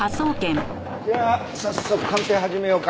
じゃあ早速鑑定始めようか。